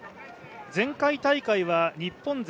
前回大会は日本勢